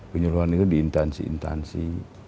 penyeluruhan itu diintensi intensi